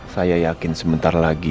saya yakin sebentar lagi